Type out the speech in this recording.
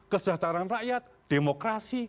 kesejahteraan rakyat demokrasi